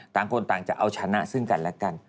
ต่างคนต่างจะเอาชนะซึ่งกันและกัน